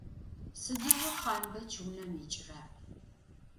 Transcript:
Сыдигъо Хъанбэч унэм икӏыра?